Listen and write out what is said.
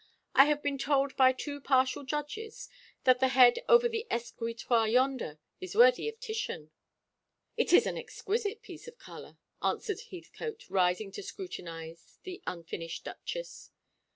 I have been told by too partial judges that the head over the escritoire yonder is worthy of Titian." "It is an exquisite piece of colour," answered Heathcote, rising to scrutinise the unfinished Duchess.